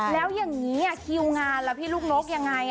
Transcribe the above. แล้วอย่างนี้คิวงานล่ะพี่ลูกนกยังไง